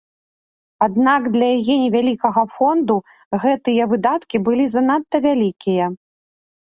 Аднак для яе невялікага фонду гэтыя выдаткі былі занадта вялікія.